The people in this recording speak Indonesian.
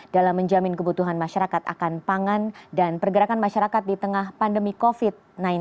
dalam menjamin kebutuhan masyarakat akan pangan dan pergerakan masyarakat di tengah pandemi covid sembilan belas